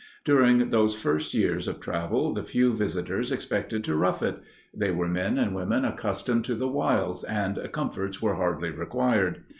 During those first years of travel the few visitors expected to "rough it"; they were men and women accustomed to the wilds, and comforts were hardly required.